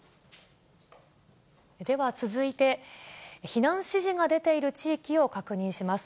では続いて、避難指示が出ている地域を確認します。